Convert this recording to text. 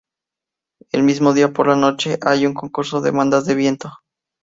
El mismo día por la noche hay un concurso de bandas de viento.